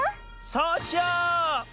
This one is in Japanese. そうしよう！